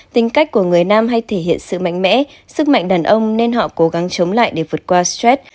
tính cách của người nam hay thể hiện sự mạnh mẽ sức mạnh đàn ông nên họ cố gắng chống lại để vượt qua stress